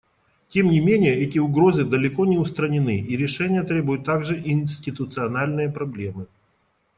Тем не менее, эти угрозы далеко не устранены, и решения требуют также институциональные проблемы.